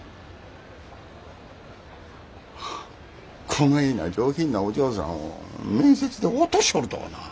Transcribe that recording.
こないな上品なお嬢さんを面接で落としよるとはなあ。